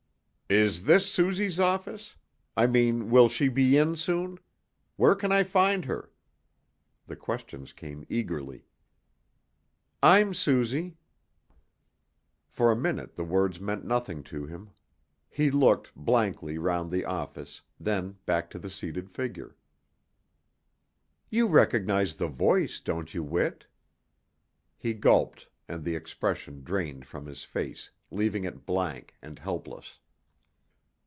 "Is this Suzy's office? I mean, will she be in soon? Where can I find her?" The questions came eagerly. "I'm Suzy." For a minute the words meant nothing to him. He looked, blankly, round the office, then back to the seated figure. "You recognize the voice, don't you, Whit?" He gulped, and the expression drained from his face, leaving it blank, and helpless.